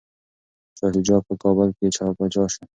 شاه شجاع په کابل کي پاچا شو.